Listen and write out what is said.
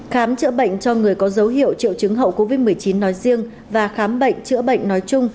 khám chữa bệnh cho người có dấu hiệu triệu chứng hậu covid một mươi chín nói riêng và khám bệnh chữa bệnh nói chung